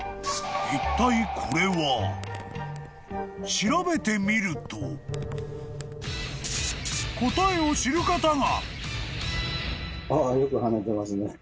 ［調べてみると答えを知る方が］